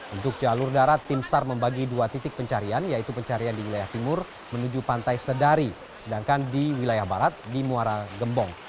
untuk jalur darat tim sar membagi dua titik pencarian yaitu pencarian di wilayah timur menuju pantai sedari sedangkan di wilayah barat di muara gembong